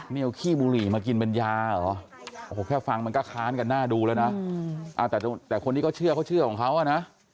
นี่เอาขี้บุหรี่มากินเป็นยาเหรอโอ้โหแค่ฟังมันก็ค้านกันหน้าดูแล้วนะแต่คนที่เขาเชื่อเขาเชื่อของเขาอ่ะนะ